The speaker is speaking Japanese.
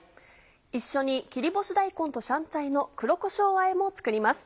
一緒に「切り干し大根と香菜の黒こしょうあえ」も作ります。